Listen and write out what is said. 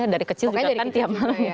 dari kecil juga kan tiap malam